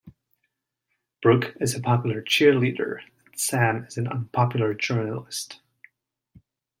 Brooke is a popular cheerleader and Sam is an unpopular journalist.